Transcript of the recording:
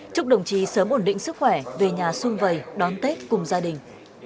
chúc đồng chí sớm ổn định sức khỏe về nhà xung vầy đón tết cùng gia đình